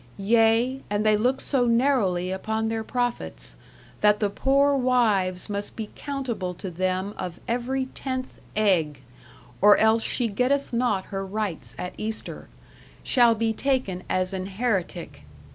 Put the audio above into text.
Ye, and they looke so narowly uppon theyre proufittes, that the poore wyves must be countable to thym of every tenth eg, or elles she gettith not her rytes at ester, shal be taken as an heretike....